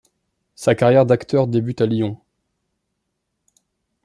Sa carrière d'acteur débute à Lyon.